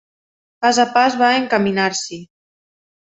Pas a pas va encaminar-s'hi